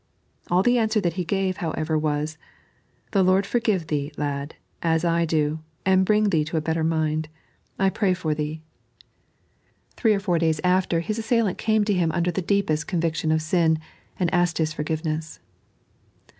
All the answer that he gave, however, was :" The Lord forgive thee, lad, ^ I do, and bring thee to a better mind ; I'll pray for 3.n.iized by Google "Take That!" 77 thee." Three or four days after his assail&nt came to him under the deepest conviction of sin, and asked his for givenese.